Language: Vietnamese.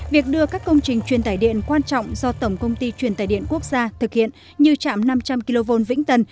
việc đưa các công trình truyền tải điện quan trọng do tổng công ty truyền tải điện quốc gia thực hiện như chạm năm trăm linh kv vĩnh tần